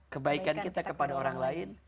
kebaikan kita kepada orang lain